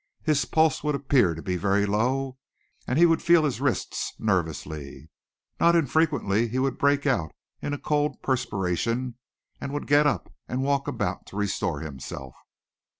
His pulse would appear to be very low, and he would feel his wrists nervously. Not infrequently he would break out in a cold perspiration and would get up and walk about to restore himself.